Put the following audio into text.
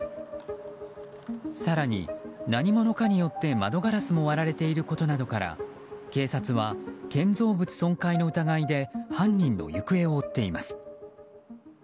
更に何者かによって窓ガラスも割られていることなどから警察は建造物損壊の疑いで犯人の行方を追っています。